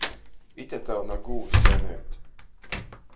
Ite tev na gūvs ganeit!